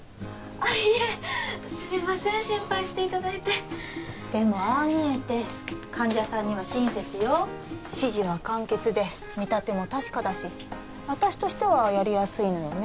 あっいえすみません心配していただいてでもああ見えて患者さんには親切よ指示は簡潔で見たても確かだし私としてはやりやすいのよね